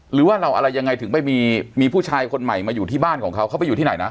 หรือว่าเราอะไรยังไงถึงไปมีผู้ชายคนใหม่มาอยู่ที่บ้านของเขาเขาไปอยู่ที่ไหนนะ